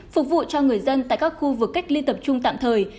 phục vụ cho người dân tại các khu vực cách ly tập trung tạm thời